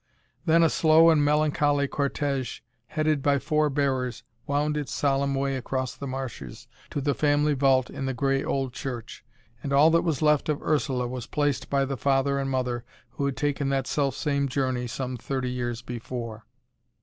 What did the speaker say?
Then a slow and melancholy cortege headed by four bearers wound its solemn way across the marshes to the family vault in the grey old church, and all that was left of Ursula was placed by the father and mother who had taken that self same journey some thirty years before.